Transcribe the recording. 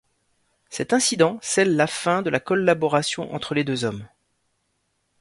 Cet incident scelle la fin de la collaboration entre les deux hommes.